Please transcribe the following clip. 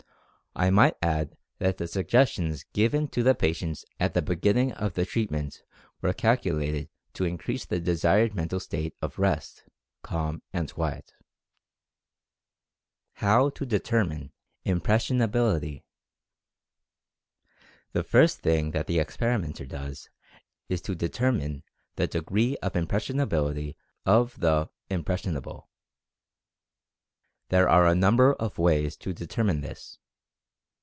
I might add that the suggestions given to the patients at the beginning of the treatment were calculated to increase the desired mental state of rest, calm, and quiet. The first thing that the experimenter does is to de termine the degree of impressionability of the, "im pressionable." There are a number of ways to deter mine this.